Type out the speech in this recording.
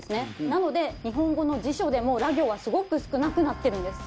なので日本語の辞書でもら行はすごく少なくなってるんです。